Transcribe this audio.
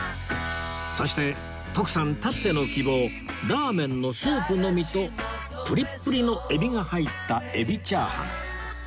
そして徳さんたっての希望ラーメンのスープのみとプリップリのエビが入ったエビ炒飯